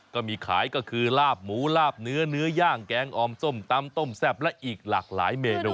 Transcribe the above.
ก็มีขายก็คือลาบหมูลาบเนื้อเนื้อย่างแกงออมส้มตำต้มแซ่บและอีกหลากหลายเมนู